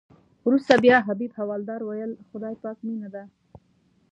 وروسته بیا حبیب حوالدار ویل خدای پاک مینه ده.